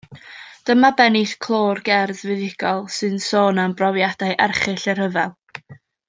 Dyma bennill clo'r gerdd fuddugol sy'n sôn am brofiadau erchyll y rhyfel.